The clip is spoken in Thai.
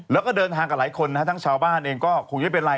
แล้วก็เดินทางกับหลายคนนะฮะทั้งชาวบ้านเองก็คงไม่เป็นไร